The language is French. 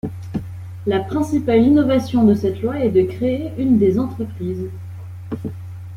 La principale innovation de cette loi est de créer une des entreprises.